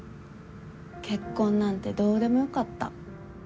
結婚なんてどうでもよかった。